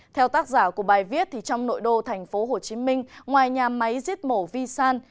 theo tác giả của bài viết trong nội đô thành phố hồ chí minh ngoài nhà máy giết mổ vi san